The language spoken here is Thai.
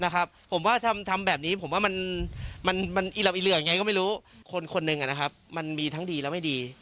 คนหนึ่งมันมีทั้งดีและไม่ดี